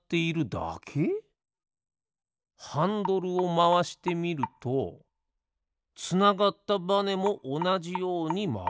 ハンドルをまわしてみるとつながったバネもおなじようにまわる。